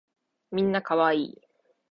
みんな可愛い